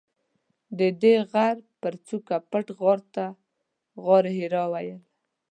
ددې غره پر څوکه پټ غار ته غارحرا ویل.